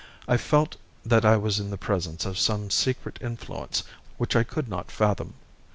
I felt that I was in the presence of some secret influence which I could not fathom.